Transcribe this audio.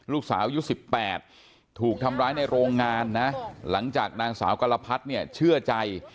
ลูกสาวอายุ๑๘ถูกทำร้ายในโรงงานนะหลังจากนางสาวกรพัดเนี่ยเชื่อใจ